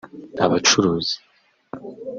Abacuruzi